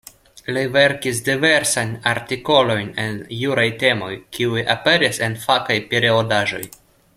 Li verkis diversajn artikolojn en juraj temoj, kiuj aperis en fakaj periodaĵoj.